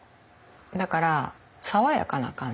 だから爽やかな感じ。